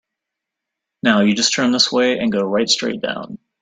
Now you just turn this way and go right straight down.